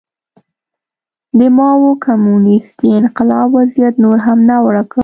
د ماوو کمونېستي انقلاب وضعیت نور هم ناوړه کړ.